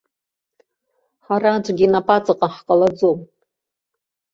Ҳара аӡәгьы инап аҵаҟа ҳҟалаӡом!